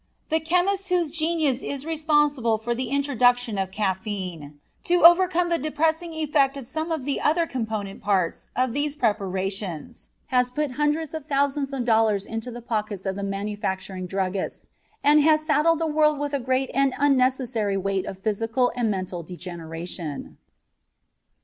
The chemist whose genius is responsible for the introduction of caffeine to overcome the depressing effect of some of the other component parts of these preparations has put hundreds of thousands of dollars into the pockets of the manufacturing druggists and has saddled the world with a great and unnecessary weight of physical and mental degeneration.